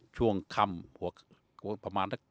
ช่วงค่ำประมาณ